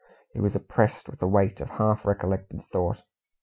He was oppressed with the weight of half recollected thought.